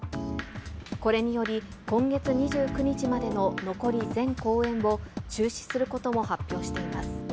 これにより、今月２９日までの残り全公演を中止することも発表しています。